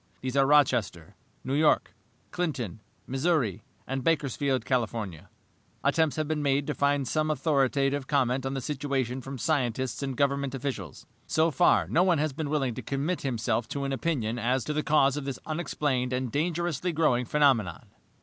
These are Rochester, New York, Clinton, Missouri, and Bakersfield, California. "Attempts have been made to find some authoritative comment on the situation from scientists and Government officials. So far, no one has been willing to commit himself to an opinion as to the cause of this unexplained and dangerously growing phenomenon.